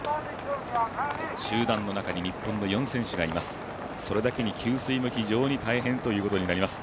集団の中に日本の４選手がいます